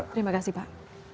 terima kasih pak